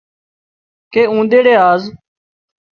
ڪي اونۮريڙي آز